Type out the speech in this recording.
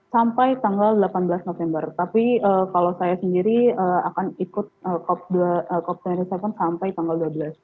sampai tanggal delapan belas november tapi kalau saya sendiri akan ikut cop sepuluh sampai tanggal dua belas